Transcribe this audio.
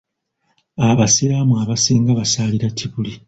Abasiraamu abasinga basaalira Kibuli .